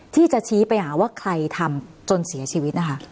ที่จะชี้ไปหาว่าใครทำจนเสียชีวิตนะคะ